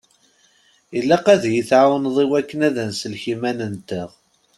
Ilaq ad yi-tɛawneḍ i wakken ad nsellek iman-nteɣ.